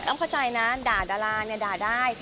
อ้ำเข้าใจนะด่าดารานี่ด่าได้